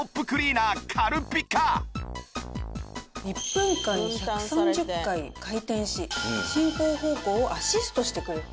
１分間に１３０回回転し進行方向をアシストしてくれる。